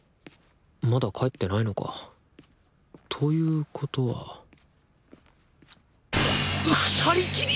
まだ帰ってないのか。ということはふたりきり！？